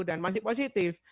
dan masih positif